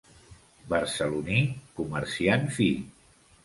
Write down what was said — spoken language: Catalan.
Barceloní, comerciant fi.